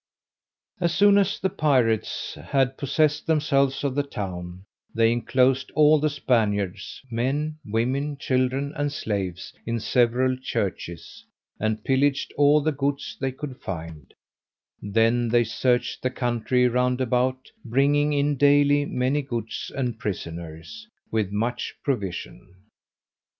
As soon as the pirates had possessed themselves of the town, they enclosed all the Spaniards, men, women, children, and slaves, in several churches, and pillaged all the goods they could find; then they searched the country round about, bringing in daily many goods and prisoners, with much provision.